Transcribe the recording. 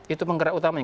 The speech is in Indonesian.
itu penggerak utamanya